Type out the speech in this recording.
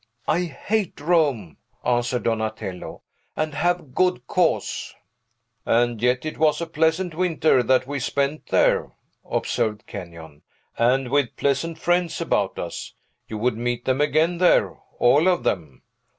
I hate Rome," answered Donatello; "and have good cause." "And yet it was a pleasant winter that we spent there," observed Kenyon, "and with pleasant friends about us. You would meet them again there all of them."